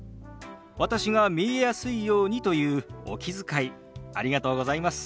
私が見えやすいようにというお気遣いありがとうございます。